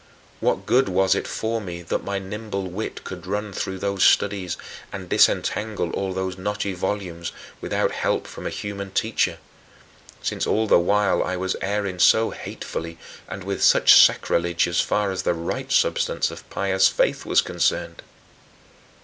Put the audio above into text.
What good was it for me that my nimble wit could run through those studies and disentangle all those knotty volumes, without help from a human teacher, since all the while I was erring so hatefully and with such sacrilege as far as the right substance of pious faith was concerned?